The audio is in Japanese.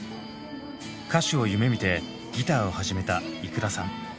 歌手を夢みてギターを始めたｉｋｕｒａさん。